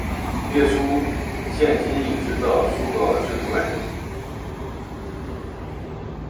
列出现今已知的数个制图软体